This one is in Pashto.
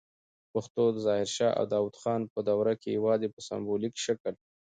پښتو د ظاهر شاه او داود خان په دوروکي یواځې په سمبولیک شکل